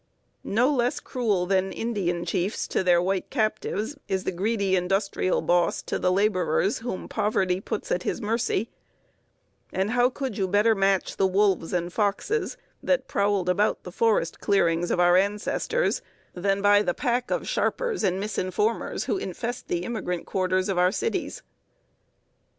No less cruel than Indian chiefs to their white captives is the greedy industrial boss to the laborers whom poverty puts at his mercy; and how could you better match the wolves and foxes that prowled about the forest clearings of our ancestors than by the pack of sharpers and misinformers who infest the immigrant quarters of our cities?